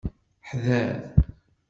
Hḍeṛ!